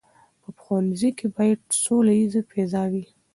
په ښوونځي کې باید سوله ییزه فضا وي.